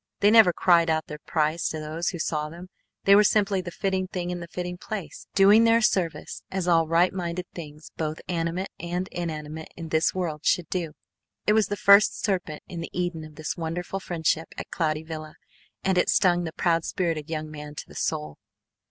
They never cried out their price to those who saw them, they were simply the fitting thing in the fitting place, doing their service as all right minded things both animate and inanimate in this world should do. It was the first serpent in the Eden of this wonderful friendship at Cloudy Villa and it stung the proud spirited young man to the soul.